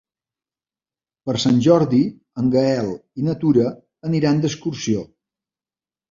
Per Sant Jordi en Gaël i na Tura aniran d'excursió.